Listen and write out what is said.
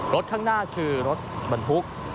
ข้างหน้าคือรถบรรทุก